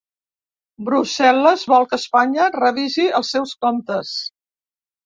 Brussel·les vol que Espanya revisi els seus comptes